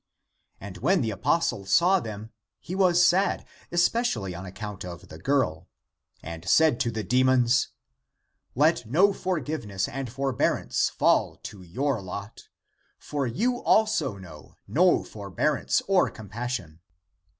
And when the apostle saw them, he was sad, especially on account of the girl, and said to the demons, " Let no forgiveness and forbearance fall to your lot, for you also know no forbearance or compassion